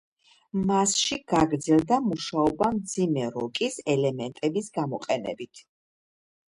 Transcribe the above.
მასში გაგრძელდა მუშაობა მძიმე როკის ელემენტების გამოყენებით.